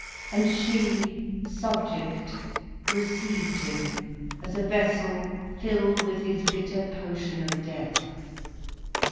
And she, subject, received him as a vessel filled with his bitter potion of death.